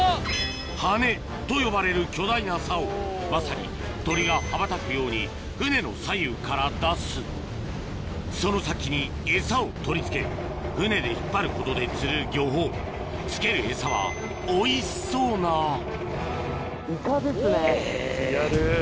ハネと呼ばれる巨大な竿まさに鳥が羽ばたくように船の左右から出すその先にエサを取り付け船で引っ張ることで釣る漁法付けるエサはおいしそうなリアル。